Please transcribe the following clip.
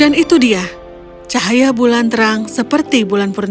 dan itu dia cahaya bulan terang seperti bulan periang